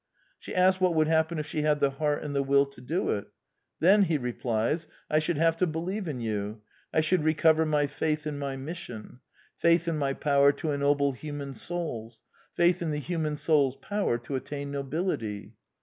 She asks what would happen if she had the heart and the will to do it. " Then," he replies, " I should have to believe in you. I should recover my faith in my mission. Faith in my power to ennoble human souls. Faith in the human souPs power to attain nobility."